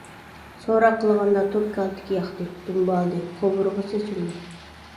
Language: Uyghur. سوراق قىلغاندا توك كالتىكى ياقتى، دۇمبالىدى، قوۋۇرغىسى سۇندى.